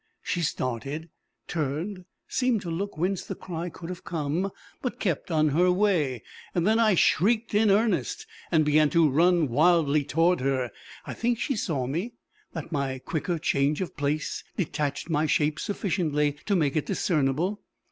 She started, turned, seemed to look whence the cry could have come, but kept on her way. Then I shrieked in earnest, and began to run wildly toward her. I think she saw me that my quicker change of place detached my shape sufficiently to make it discernible.